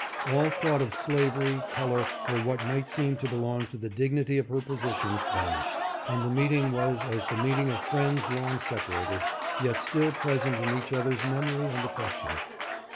All thought of slavery, color, or what might seem to belong to the dignity of her position vanished, and the meeting was as the meeting of friends long separated, yet still present in each other's memory and affection.